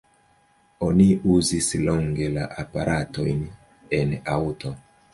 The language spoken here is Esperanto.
Oni uzis longe la aparatojn en aŭto.